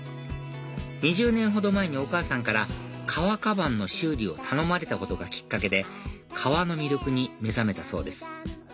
２０年ほど前にお母さんから革カバンの修理を頼まれたことがきっかけで革の魅力に目覚めたそうです